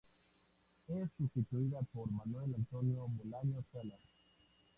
Es sustituida por Manuel Antonio Bolaños Salas.